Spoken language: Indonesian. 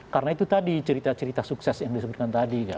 karena itu tadi cerita cerita sukses yang disebutkan tadi kan